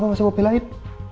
masalah siapa belain